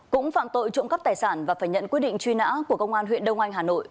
cũng phạm tội trộm cắp tài sản và phải nhận quyết định truy nã của công an huyện đông anh hà nội